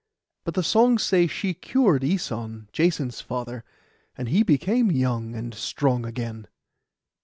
But the songs say she cured Æson, Jason's father, and he became young, and strong again.